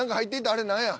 あれ何や。